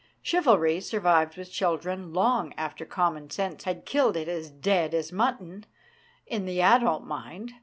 Chivalry survived with children long after common sense had killed it as dead as mutton in the adult mind.